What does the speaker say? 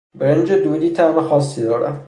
برنج دودی طعم خاصی دارد.